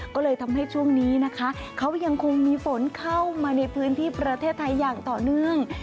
ก็เลยทำให้ช่วงนี้นะคะเขายังคงมีฝนเข้ามาในพื้นที่ประเทศไทยอย่างต่อเนื่อง